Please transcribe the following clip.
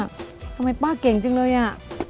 ทำไมป้าเก่งจังเลยอ่ะ